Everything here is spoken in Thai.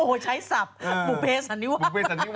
โอ้ใช้ศัพท์บุเภสธรรมิวาส